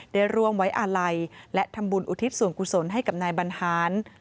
ได้ร่วมไว้อาลัยและทำบุญอุทิศส่วนกุศลให้กับนายบรรหาร